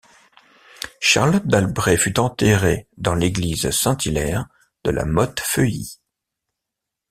Charlotte d'Albret fut enterrée dans l'église Saint-Hilaire de La Motte-Feuilly.